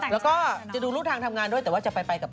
แล้วก็จะดูรูปทางทำงานด้วยแต่ว่าจะไปกับ